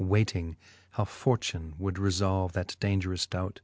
Way ting, how fortune would refblve that dangerous dout.